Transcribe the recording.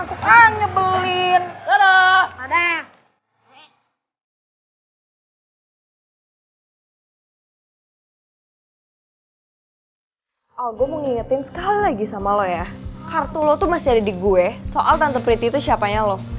oh gue mau ngingetin sekali lagi sama lo ya kartu lu tuh masih ada di gue soal tante priti itu siapanya lo